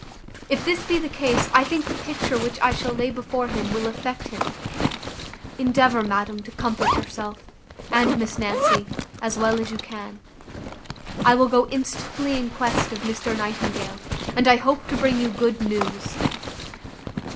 If this be the case, I think the picture which I shall lay before him will affect him. Endeavour, madam, to comfort yourself, and Miss Nancy, as well as you can. I will go instantly in quest of Mr Nightingale; and I hope to bring you good news."